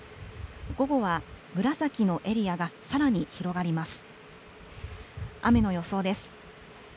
午後は紫のエリアがさらに広がります。